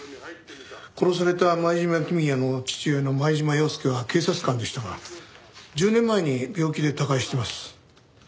殺された前島公也の父親の前島洋輔は警察官でしたが１０年前に病気で他界してます。